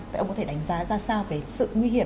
vậy ông có thể đánh giá ra sao về sự nguy hiểm